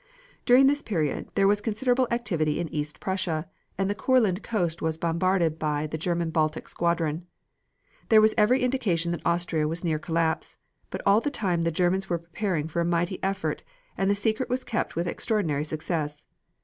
During this period there was considerable activity in East Prussia, and the Courland coast was bombarded by the German Baltic squadron. There was every indication that Austria was near collapse, but all the time the Germans were preparing for a mighty effort, and the secret was kept with extraordinary success.